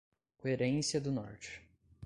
Querência do Norte